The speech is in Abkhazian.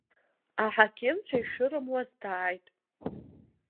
Аҳақьымцәа ишырымуаз дааит.